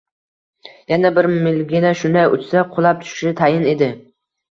— yana bir milgina shunday uchsa, qulab tushishi tayin edi.